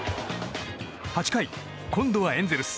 ８回、今度はエンゼルス。